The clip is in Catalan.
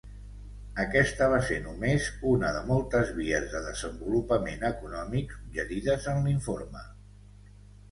Aquesta va ser només una de moltes vies de desenvolupament econòmic suggerides en l'informe.